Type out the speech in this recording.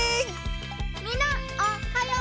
みんなおっはよう！